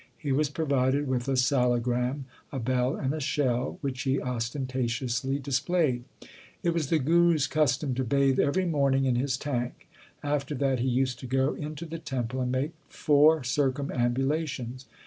He was provided with a salagram, a bell, and a shell, which he ostentatiously displayed. It was the Guru s custom to bathe every morning in his tank. After that he used to go into the temple and make four circumambulations.